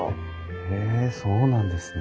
へえそうなんですね。